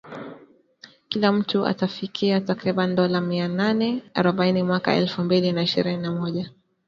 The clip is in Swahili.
kila mtu atafikia takriban dola mia nane arobaini mwaka elfu mbili na ishirini na moja